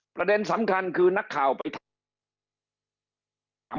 ประเด็นสำคัญคือนักข่าวไปถาม